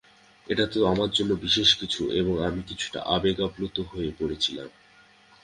এটা আমার জন্য বিশেষ কিছু এবং আমি কিছুটা আবেগাপ্লুত হয়ে পড়েছিলাম।